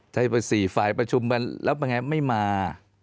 ใช้สี่ฝ่ายประชุมกันแล้วเป็นไงไม่มา